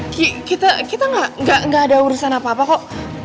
ki kita kita gak ada urusan apa apa kok